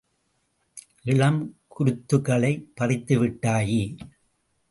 இளம் குருத்துகளைப் பறித்துவிட்டாயே!